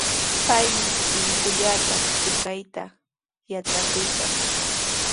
Paymi pinkullata tukayta yatrakuykan.